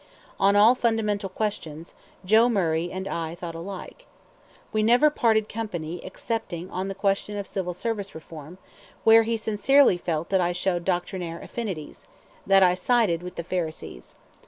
On all fundamental questions Joe Murray and I thought alike. We never parted company excepting on the question of Civil Service Reform, where he sincerely felt that I showed doctrinaire affinities, that I sided with the pharisees.